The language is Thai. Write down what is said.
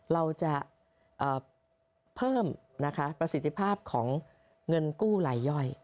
เราจะเพิ่มนะคะประสิทธิภาพของเงินกู้ลายย่อย